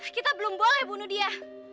kita belum boleh bunuh dia